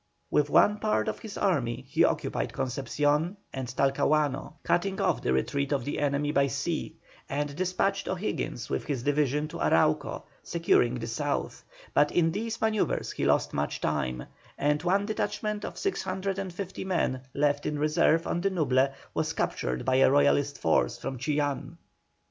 With one part of his army he occupied Concepcion and Talcahuano, cutting off the retreat of the enemy by sea, and despatched O'Higgins with his division to Arauco, securing the South, but in these manœuvres he lost much time, and one detachment of 650 men left in reserve on the Nuble, was captured by a Royalist force from Chillán.